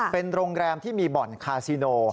เป็นโรงแรมที่มีบ่อนคาซิโน